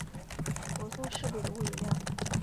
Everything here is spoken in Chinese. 泊松式比的物理量。